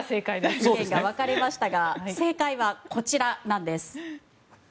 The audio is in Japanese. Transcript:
意見が分かれましたが正解はこちらなんです。